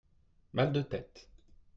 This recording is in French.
mal de tête.